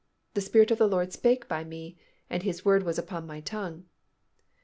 "The Spirit of the Lord spake by me, and His word was upon my tongue."